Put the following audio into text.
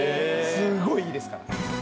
すごいいいですから。